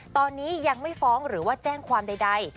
ตอนนี้ยังไม่ฟ้องหรือว่าแจ้งความใด